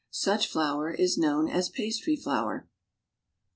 Such flour is known as pastry flour.